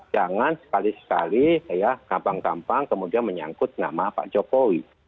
jangan sekali sekali ya gampang gampang kemudian menyangkut nama pak jokowi